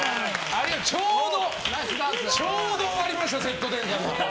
ちょうど終わりましたセット転換が。